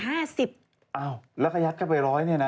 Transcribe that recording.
อ้าวละกายัดกันไป๑๐๐เนี่ยนะ